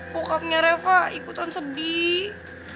pokoknya reva ikutan sedih